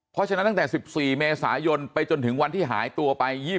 เพราะฉะนั้นตั้งแต่๑๔เมษายนไปจนถึงวันที่หายตัวไป